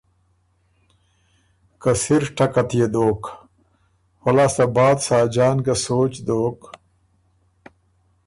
که سِر ټکت يې دوک۔ فۀ لاسنه بعد ساجان ګه سوچ دوک